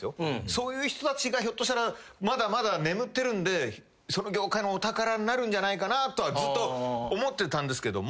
そういう人たちがひょっとしたらまだまだ眠ってるんでその業界のお宝になるんじゃないかなとはずっと思ってたんですけども。